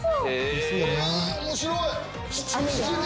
面白い。